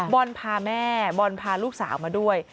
บอลพาแม่บอลพาลูกสาวมาด้วย